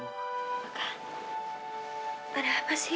raka ada apa sih